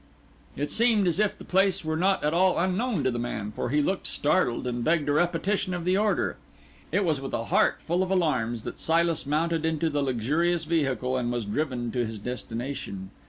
It seemed as if the place were not at all unknown to the man, for he looked startled and begged a repetition of the order. It was with a heart full of alarms, that Silas mounted into the luxurious vehicle, and was driven to his destination.